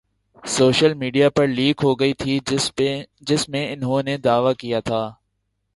social media پر leak ہوگئی تھی جس میں انہوں نے دعویٰ کیا تھا